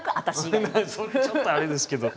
それちょっとあれですけど。